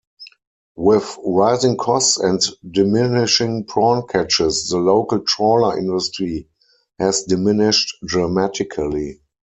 With rising costs and diminishing prawn catches, the local trawler industry has diminished dramatically.